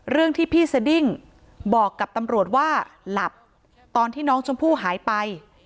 เรื่องที่พี่สดิ้งบอกกับตำรวจว่าหลับตอนที่น้องชมพู่หายไป